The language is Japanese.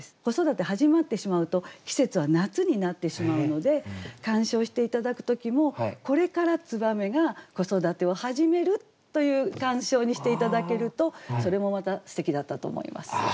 子育て始まってしまうと季節は夏になってしまうので鑑賞して頂く時もこれから燕が子育てを始めるという鑑賞にして頂けるとそれもまたすてきだったと思います。